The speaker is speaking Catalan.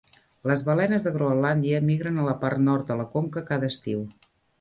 Les balenes de Groenlàndia migren a la part nord de la conca cada estiu.